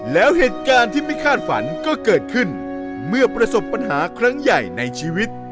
แล้วเหตุการณ์ที่ไม่คาดฝันก็เกิดขึ้นเมื่อประสบปัญหาครั้งใหญ่ในชีวิต